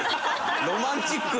ロマンチック！